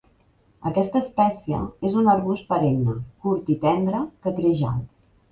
Aquesta espècie és un arbust perenne, curt i tendre que creix alt.